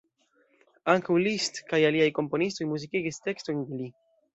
Ankaŭ Liszt kaj aliaj komponistoj muzikigis tekstojn de li.